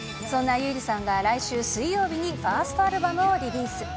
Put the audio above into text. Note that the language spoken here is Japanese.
そんな優里さんが来週水曜日にファーストアルバムをリリース。